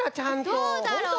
どうだろう？